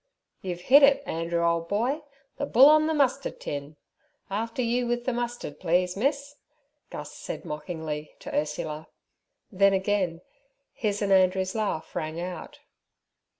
'You've hit it, Andrew, old boy—the bull on the mustard tin. After you with the mustard, please, miss' Gus said mockingly to Ursula; then again his and Andrew's laugh rang out.